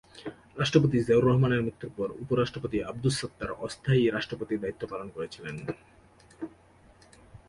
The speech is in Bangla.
রাষ্ট্রপতি জিয়াউর রহমানের মৃত্যুর পর উপরাষ্ট্রপতি আব্দুস সাত্তার অস্থায়ী রাষ্ট্রপতির দায়িত্ব পালন করেছিলেন।